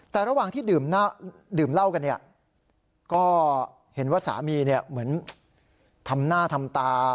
แต่ระหว่างที่ดื่มเหล้ากันเนี่ยก็เห็นว่าสามีเนี่ยเหมือนทำหน้าทำตา